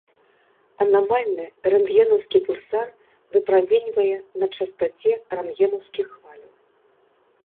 Анамальны рэнтгенаўскі пульсар выпраменьвае на частаце рэнтгенаўскіх хваляў.